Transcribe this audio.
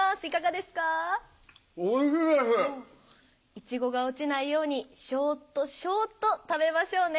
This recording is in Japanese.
いちごが落ちないようにショットショット食べましょうね。